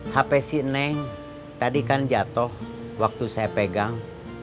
hp si neng tadi kan jatuh waktu saya pegang